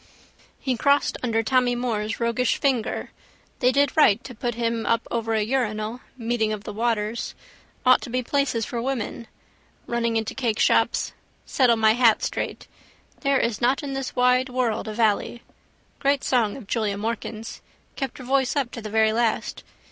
He crossed under Tommy Moore's roguish finger. They did right to put him up over a urinal: meeting of the waters. Ought to be places for women. Running into cakeshops. Settle my hat straight. There is not in this wide world a vallee. Great song of Julia Morkan's. Kept her voice up to the very last.